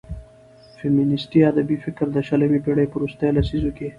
فيمينستي ادبي فکر د شلمې پېړيو په وروستيو لسيزو کې